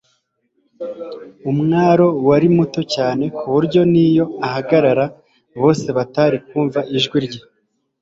Umwaro wari muto cyane ku buryo n'iyo ahagarara, bose batari kumva ijwi rye;